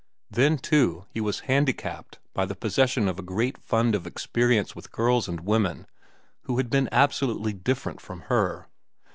Then, too, he was handicapped by the possession of a great fund of experience with girls and women who had been absolutely different from her.